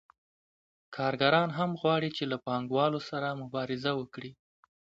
کارګران هم غواړي چې له پانګوالو سره مبارزه وکړي